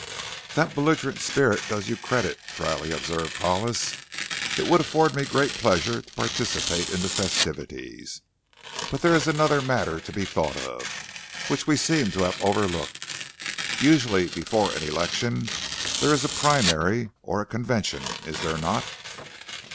"That belligerent spirit does you credit," dryly observed Hollis. "It will afford me great pleasure to participate in the festivities. But there is another matter to be thought of which we seem to have overlooked. Usually before an election there is a primary, or a convention, is there not?"